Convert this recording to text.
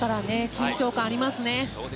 緊張感がありますね。